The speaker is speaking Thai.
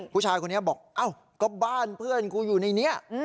ผู้ชายคนนี้บอกอ้าวก็บ้านเพื่อนกูอยู่ในนี้